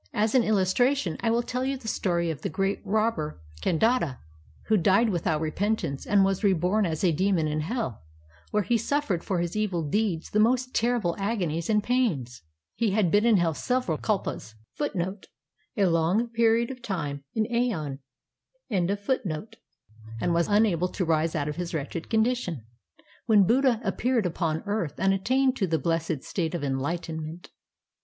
"As an illustration, I will tell you the story of the great robber Kandata, who died without repentance and was reborn as a demon in hell, where he suffered for his evil deeds the most terrible agonies and pains. He had been in hell several kalpas,^ and was unable to rise out of his wretched condition, when Buddha appeared upon earth and attained to the blessed state of enlightenment.